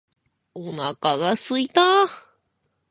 お腹が空いた